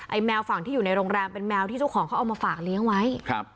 แมวฝั่งที่อยู่ในโรงแรมเป็นแมวที่เจ้าของเขาเอามาฝากเลี้ยงไว้ครับ